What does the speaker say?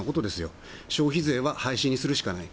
消費税は廃止にするしかない。